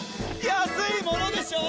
安いものでしょう？